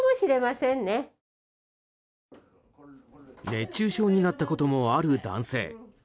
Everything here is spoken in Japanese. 熱中症になったこともある男性。